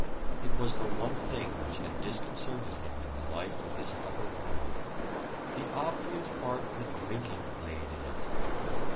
It was the one thing which had disconcerted him in the life of this upper world the obvious part that drinking played in it.